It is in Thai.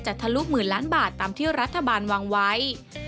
ทะลุหมื่นล้านบาทตามที่รัฐบาลวางไว้